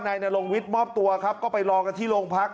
นายนรงวิทย์มอบตัวครับก็ไปรอกันที่โรงพัก